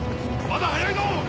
まだ早いぞ！